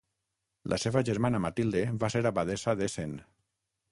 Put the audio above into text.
La seva germana Matilde va ser abadessa d'Essen.